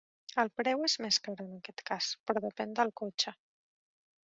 El preu és més car en aquest cas, però depèn del cotxe.